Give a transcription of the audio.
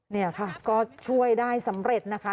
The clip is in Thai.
นี่ค่ะก็ช่วยได้สำเร็จนะคะ